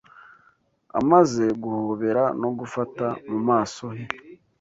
Amaze guhobera no gufata mu maso he